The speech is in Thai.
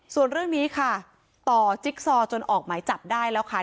ส่วนเรื่องนี้ค่ะต่อจิ๊กซอจนออกหมายจับได้แล้วค่ะ